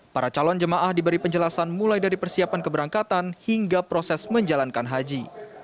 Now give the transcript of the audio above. para calon jemaah diberi penjelasan mulai dari persiapan keberangkatan hingga proses menjalankan haji